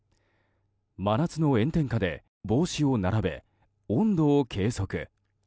真夏の炎天下で帽子を並べ温度を計測。